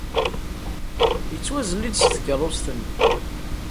Yettwazelli-d seg tkeṛṛust-nni.